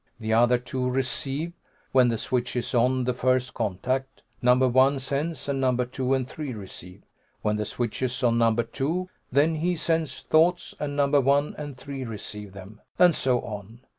The other two receive. When the switch is on the first contact, Number One sends, and Numbers Two and Three receive. When the switch is on Number Two, then he sends thoughts, and Numbers One and Three receive them. And so on.